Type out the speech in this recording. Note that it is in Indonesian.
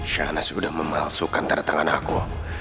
shanas sudah memalsukan tanda tangan aku